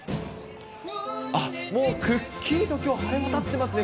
あっ、もうくっきりときょう、晴れ渡ってますね。